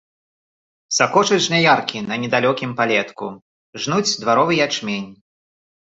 Сакочуць жняяркі на недалёкім палетку, жнуць дваровы ячмень.